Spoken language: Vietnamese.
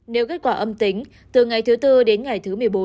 nếu kết quả âm tính từ ngày thứ tư đến ngày thứ một mươi bốn